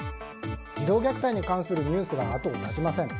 児童虐待に関するニュースが後を絶ちません。